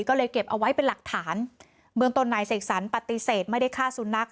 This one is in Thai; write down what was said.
ก็เลยเก็บเอาไว้เป็นหลักฐานเมืองตนนายเสกสรรปฏิเสธไม่ได้ฆ่าสุนัข